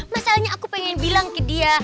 masalahnya aku pengen bilang ke dia